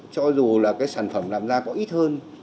cho dù là cái sản phẩm làm ra có ít hơn